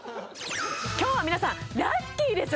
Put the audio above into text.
今日は皆さんラッキーです！